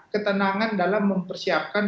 ketenangan dalam mempersiapkan